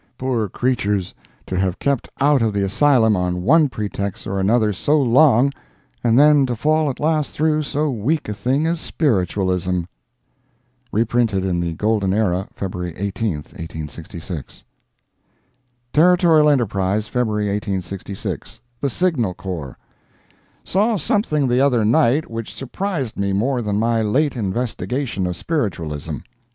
Poor creatures—to have kept out of the asylum on one pretext or another so long, and then to fall at last through so weak a thing as spiritualism." [reprinted in the Golden Era, FEB. 18, 1866.] Territorial Enterprise, February 1866 THE SIGNAL CORPS Saw something the other night which surprised me more than my late investigations of spiritualism.